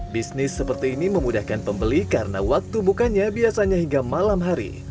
bisnis seperti ini memudahkan pembeli karena waktu bukanya biasanya hingga malam hari